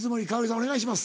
お願いします。